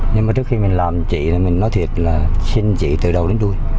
nhưng mà trước khi mình làm chị thì mình nói thiệt là xin chị từ đầu đến đuôi